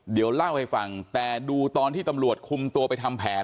เดี๋ยวเล่าให้ฟังแต่ดูตอนที่ตำรวจคุมตัวไปทำแผน